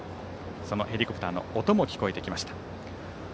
そのヘリコプターの音も聞こえてきました。